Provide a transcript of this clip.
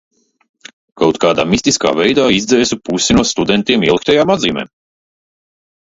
Kaut kādā mistiskā veidā izdzēsu pusi no studentiem ieliktajām atzīmēm.